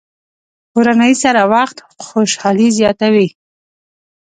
کورنۍ سره وخت خوشحالي زیاتوي.